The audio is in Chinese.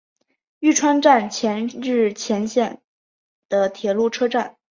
玉川站千日前线的铁路车站。